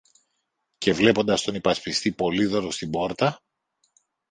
Και βλέποντας τον υπασπιστή Πολύδωρο στην πόρτα